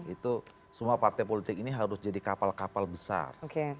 itu semua partai politik ini harus jadi kapal kapal besar